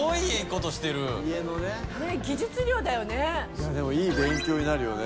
いやでもいい勉強になるよね。